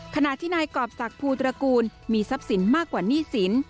ขณะที่นายกรอบศักดิภูตระกูลมีทรัพย์สินมากกว่าหนี้สิน